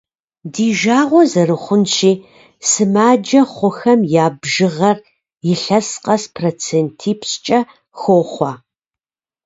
Ди жагъуэ зэрыхъунщи, сымаджэ хъухэм я бжыгъэр илъэс къэс процентипщӏкӏэ хохъуэ.